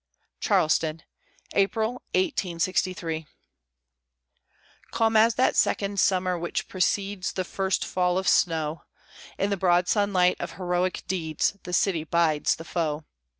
CHARLESTON [April, 1863] Calm as that second summer which precedes The first fall of the snow, In the broad sunlight of heroic deeds, The city bides the foe.